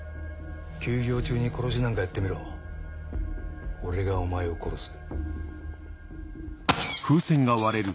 休業中に殺しなんかやってみろ俺がお前を殺す